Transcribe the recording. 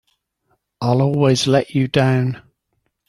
I'll always let you down!